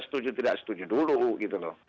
setuju tidak setuju dulu gitu loh